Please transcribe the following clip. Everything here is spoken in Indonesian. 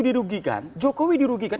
dirugikan jokowi dirugikan